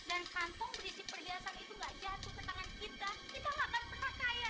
dan kantong berisi perhiasan itu enggak jatuh ke tangan kita kita akan terkaya ya